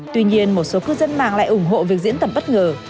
tuy nhiên một số cư dân mạng lại ủng hộ việc diễn tập bất ngờ